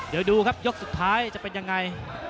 เดี๋ยวดูครับยกสุดท้ายจะเป็นยังไง